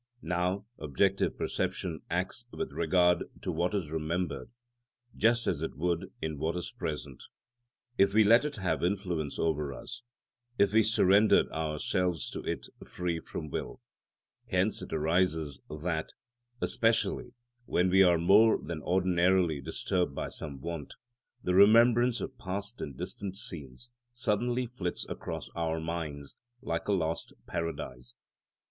Now, objective perception acts with regard to what is remembered just as it would in what is present, if we let it have influence over us, if we surrendered ourselves to it free from will. Hence it arises that, especially when we are more than ordinarily disturbed by some want, the remembrance of past and distant scenes suddenly flits across our minds like a lost paradise.